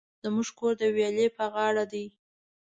زموژ کور د ویالی په غاړه دی